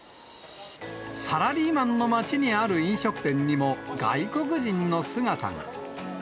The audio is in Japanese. サラリーマンの街にある飲食店にも、外国人の姿が。